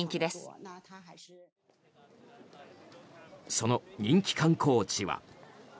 その人気観光地は。